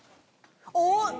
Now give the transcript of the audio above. おっ！